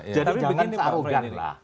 jadi jangan searogan lah